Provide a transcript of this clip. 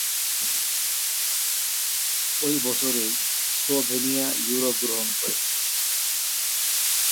ওই বছরেই Slovenia euro গ্রহণ করে।